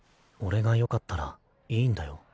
俺がよかったらいいんだよ。